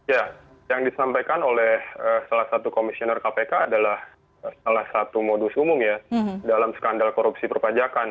ya yang disampaikan oleh salah satu komisioner kpk adalah salah satu modus umum ya dalam skandal korupsi perpajakan